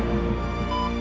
ya allah papa